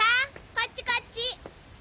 こっちこっち！